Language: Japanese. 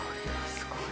すごい。